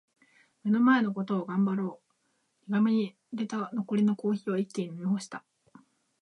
「目の前のことを頑張ろう」苦めに淹れた残りのコーヒーを一気に飲み干した。